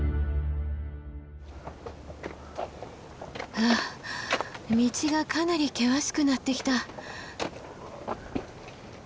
ふう道がかなり険しくなってきた。